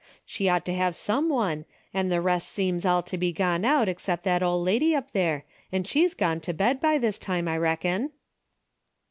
She ought to have some one, an' the rest seems all to be gone out 'cept that ol' lady up there, an' she's gone to bed by this time, I reckon."